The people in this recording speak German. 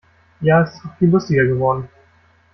Ja, es ist noch viel lustiger geworden.